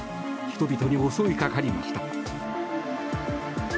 人々に襲いかかりました。